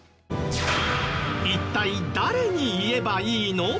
一体誰に言えばいいの？